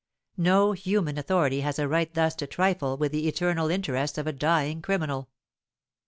No human authority has a right thus to trifle with the eternal interests of a dying criminal.